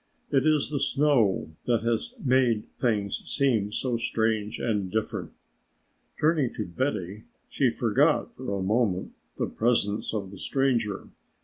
It is the snow that has made things seem so strange and different!" Turning to Betty she forgot for a moment the presence of the stranger.